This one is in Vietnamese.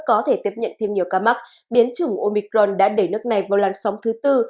có thể tiếp nhận thêm nhiều ca mắc biến chủng omicron đã đẩy nước này vào làn sóng thứ tư